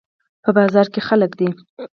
په بازار کې خلک دي